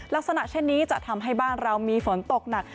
ลักษณะเช่นนี้จะทำให้บ้านเรามีฝนตกหนัก